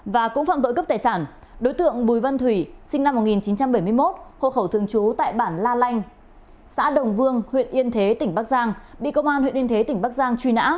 và cũng phạm tội cướp tài sản đối tượng bùi văn thủy sinh năm một nghìn chín trăm bảy mươi một hộ khẩu thương chú tại bản la lanh xã đồng vương huyện yên thế tỉnh bắc giang